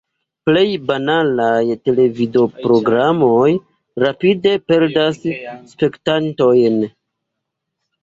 Plej banalaj televidprogramoj rapide perdas spektantojn.